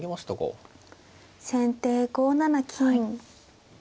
先手５七金。